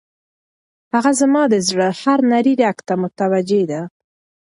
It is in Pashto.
هغه زما د زړه هر نري رګ ته متوجه ده.